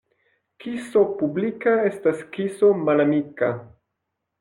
Kiso publika estas kiso malamika.